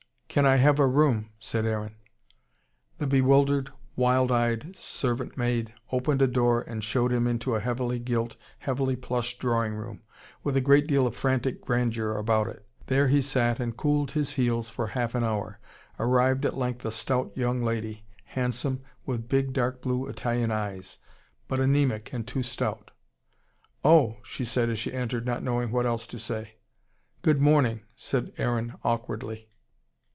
"Can I have a room?" said Aaron. The bewildered, wild eyed servant maid opened a door and showed him into a heavily gilt, heavily plush drawing room with a great deal of frantic grandeur about it. There he sat and cooled his heels for half an hour. Arrived at length a stout young lady handsome, with big dark blue Italian eyes but anaemic and too stout. "Oh!" she said as she entered, not knowing what else to say. "Good morning," said Aaron awkwardly.